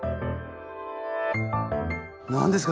何ですか？